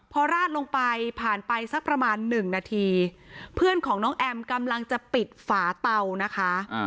พอราดลงไปผ่านไปสักประมาณหนึ่งนาทีเพื่อนของน้องแอมกำลังจะปิดฝาเตานะคะ